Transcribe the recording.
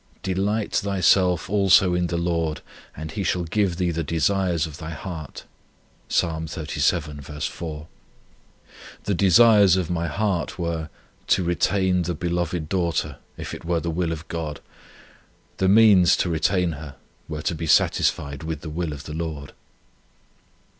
'Delight thyself also in the Lord; and He shall give thee the desires of thine heart.' Psalm xxxvii. 4. The desires of my heart were, to retain the beloved daughter if it were the will of God; the means to retain her were to be satisfied with the will of the Lord.